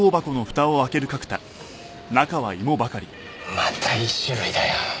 また１種類だよ。